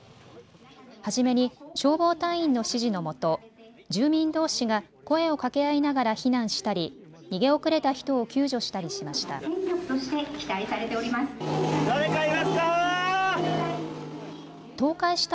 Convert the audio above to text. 初めに消防隊員の指示のもと住民どうしが声をかけ合いながら避難したり逃げ遅れた人を救助したりしました。